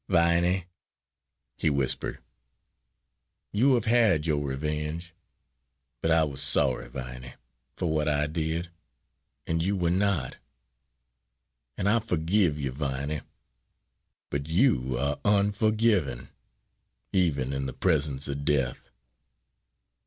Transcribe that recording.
"Yes, Viney," he whispered, "you have had your revenge! But I was sorry, Viney, for what I did, and you were not. And I forgive you, Viney; but you are unforgiving even in the presence of death."